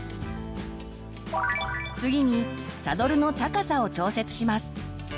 次にサドルの高さを調節します。